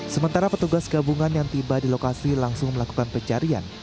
sementara petugas gabungan yang tiba di lokasi langsung melakukan pencarian